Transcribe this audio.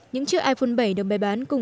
những chiếc iphone bảy được bày bán